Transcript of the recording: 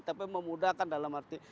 tapi memudahkan dalam arti